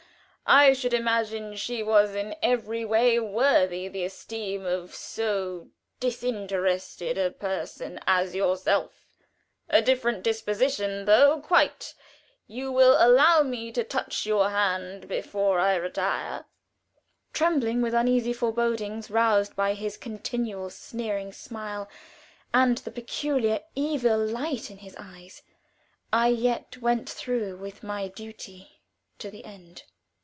I should imagine she was in every way worthy the esteem of so disinterested a person as yourself. A different disposition, though quite. Will you allow me to touch your hand before I retire?" Trembling with uneasy forebodings roused by his continual sneering smile, and the peculiar evil light in his eyes, I yet went through with my duty to the end.